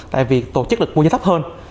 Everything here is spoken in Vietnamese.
tại vì tổ chức được mua giá thấp hơn